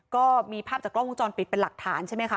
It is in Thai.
ก็มีภาพจากกล้องวงจรปิดเป็นหลักฐานใช่ไหมคะ